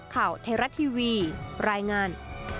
ข่าวไทยรัฐทีวีรายงาน